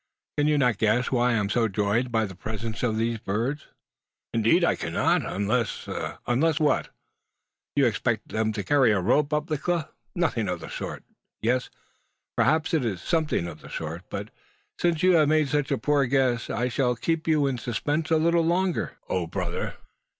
Can you not guess why I am so joyed by the presence of these birds?" "Indeed I cannot unless " "Unless what?" "You expect them to carry a rope up the cliff." "Carry a rope up the cliff! Nothing of the sort. Yes; perhaps it is something of the sort. But since you have made such a poor guess, I shall keep you in suspense a little longer." "O, brother!